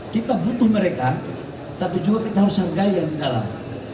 kita butuh mereka tapi juga kita harus hargai yang di dalam